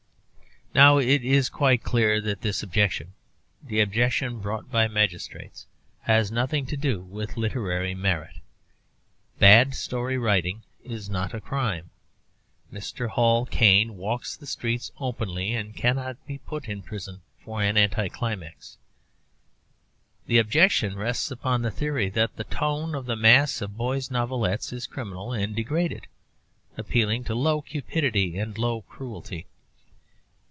Now it is quite clear that this objection, the objection brought by magistrates, has nothing to do with literary merit. Bad story writing is not a crime. Mr. Hall Caine walks the streets openly, and cannot be put in prison for an anticlimax. The objection rests upon the theory that the tone of the mass of boys' novelettes is criminal and degraded, appealing to low cupidity and low cruelty.